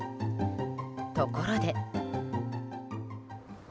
ところで。